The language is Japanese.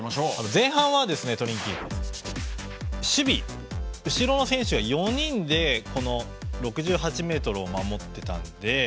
前半はトリンキー守備、後ろの選手は４人で６８ｍを守っていたので。